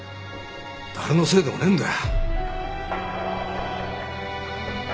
誰のせいでもねえんだ。